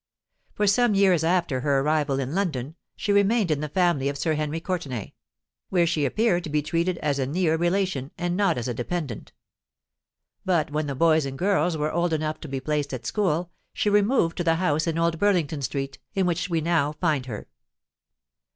For some years after her arrival in London, she remained in the family of Sir Henry Courtenay,—where she appeared to be treated as a near relation, and not as a dependant. But when the boys and girls were old enough to be placed at school, she removed to the house in Old Burlington Street, in which we now find her.